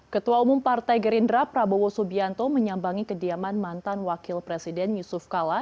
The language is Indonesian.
ketua umum partai gerindra prabowo subianto menyambangi kediaman mantan wakil presiden yusuf kala